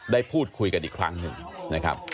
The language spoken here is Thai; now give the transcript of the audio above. ได้พูดคุยกันอีกครั้งหนึ่งนะครับ